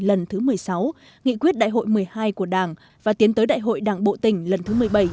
lần thứ một mươi sáu nghị quyết đại hội một mươi hai của đảng và tiến tới đại hội đảng bộ tỉnh lần thứ một mươi bảy